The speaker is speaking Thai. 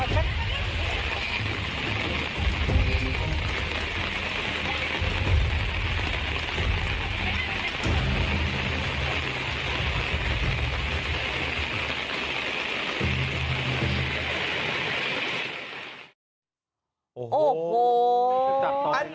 เจ๊กับปั๊ก